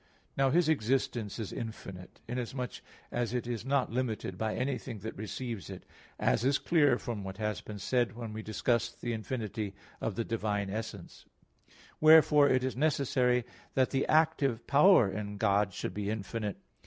Now His existence is infinite, inasmuch as it is not limited by anything that receives it, as is clear from what has been said, when we discussed the infinity of the divine essence (Q. 7, A. 1). Wherefore, it is necessary that the active power in God should be infinite.